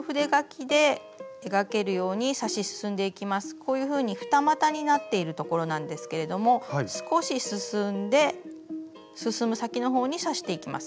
こういうふうに二股になっているところなんですけれども少し進んで進む先のほうに刺していきます。